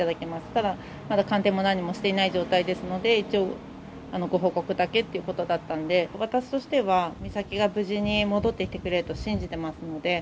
ただまだ鑑定も何もしていない状態ですので、一応、ご報告だけということだったんで、私としては美咲が無事に戻ってきてくれると信じてますので。